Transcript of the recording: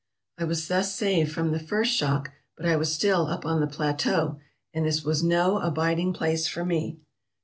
I was thus saved from the first shock, but I was still up on the plateau, and this was no abiding place for me.